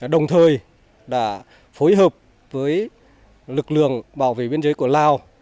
đồng thời đã phối hợp với lực lượng bảo vệ biên giới của lào